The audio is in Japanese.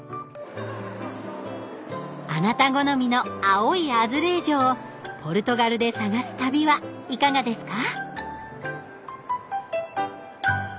あなた好みの青いアズレージョをポルトガルで探す旅はいかがですか？